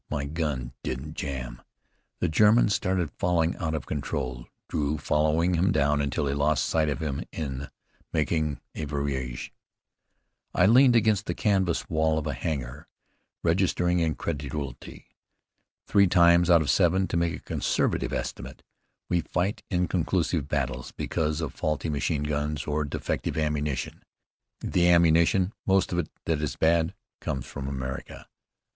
My gun didn't jam!" The German started falling out of control, Drew following him down until he lost sight of him in making a virage. I leaned against the canvas wall of a hangar, registering incredulity. Three times out of seven, to make a conservative estimate, we fight inconclusive battles because of faulty machine guns or defective ammunition. The ammunition, most of it that is bad, comes from America.